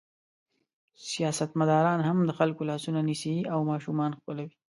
سیاستمداران هم د خلکو لاسونه نیسي او ماشومان ښکلوي.